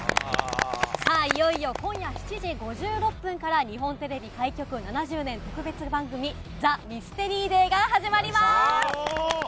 さあ、いよいよ今夜７時５６分から、日本テレビ開局７０年特別番組、ＴＨＥＭＹＳＴＥＲＹＤＡＹが始まります。